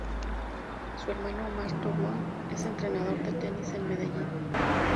Su hermano Omar Tobón es entrenador de tenis en Medellín.